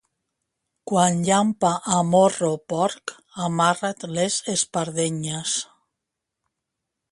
Quan llampa a Morro-porc, amarra't les espardenyes.